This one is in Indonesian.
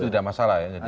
itu tidak masalah ya